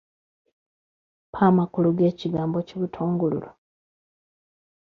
Mpa amakulu g'ekigambo kibutongululu.